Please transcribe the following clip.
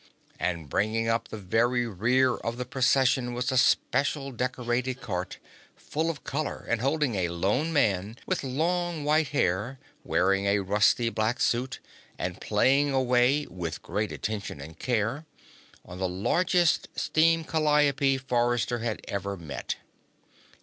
And bringing up the very rear of the Procession was a special decorated cart, full of color and holding a lone man with long white hair, wearing a rusty black suit and playing away, with great attention and care, on the largest steam calliope Forrester had ever met.